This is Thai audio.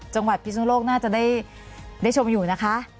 จังหวัดพิทยุโรคน่าจะได้ได้ชมอยู่นะคะ